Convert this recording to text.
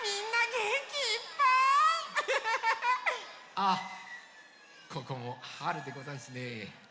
あっここもはるでござんすねえ。